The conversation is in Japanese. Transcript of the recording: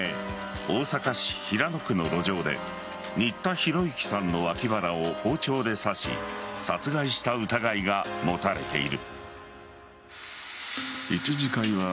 大阪市平野区の路上で新田浩之さんの脇腹を包丁で刺し殺害した疑いが持たれている。